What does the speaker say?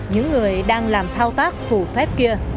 những người đang làm thao tác phủ phép kia